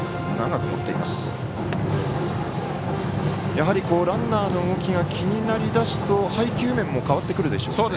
やはり、ランナーの動きが気になりだすと配球面も変わってくるでしょうね。